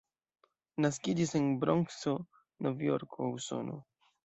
Naskiĝis en Bronkso, Nov-Jorko, Usono.